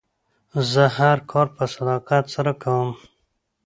زه هر کار په صداقت سره کوم.